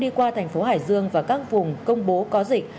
đi qua thành phố hải dương và các vùng công bố có dịch